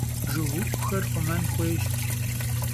Jjıgıu'uxer xhumen xuêyş.